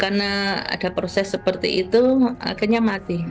karena ada proses seperti itu akhirnya mati